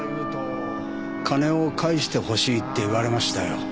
金を返してほしいって言われましたよ。